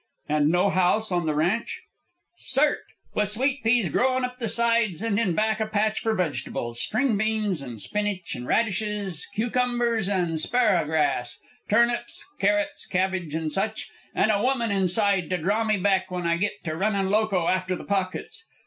"And no house on the ranch?" "Cert! With sweet peas growin' up the sides, and in back a patch for vegetables string beans and spinach and radishes, cucumbers and 'sparagrass, turnips, carrots, cabbage, and such. And a woman inside to draw me back when I get to runnin' loco after the pockets.